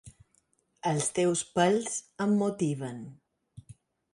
Els teus pèls em motiven.